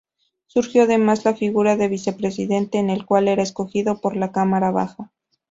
Surgió además la figura del Vicepresidente, el cual era escogido por la Cámara Baja.